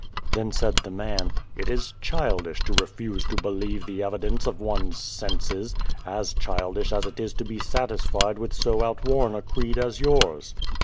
' Then said the man, " It is childish to refuse to believe the evidence of one's senses, as childish as it is to be satisfied with so outworn a creed as yours."